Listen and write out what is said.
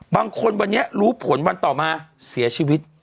บางคนวันนี้รู้ผลวันต่อมาเสียชีวิต